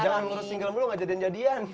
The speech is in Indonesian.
jangan ngurus single dulu gak jadian jadian